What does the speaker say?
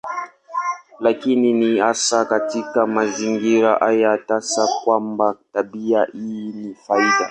Lakini ni hasa katika mazingira haya tasa kwamba tabia hii ni faida.